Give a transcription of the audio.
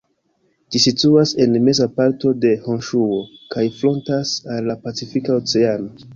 Ĝi situas en meza parto de Honŝuo kaj frontas al la Pacifika Oceano.